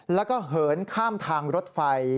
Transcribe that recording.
แล้วก็เหินข้ามทางรถไฟ